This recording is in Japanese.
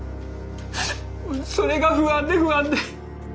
それが不安で不安で。